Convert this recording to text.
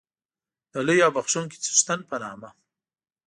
د لوی او بخښونکی څښتن په نامه